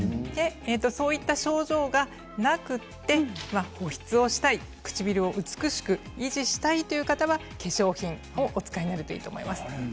そういった症状がなくて保湿をしたい唇を美しく維持したいという方は化粧品をお使いになるといいと思います。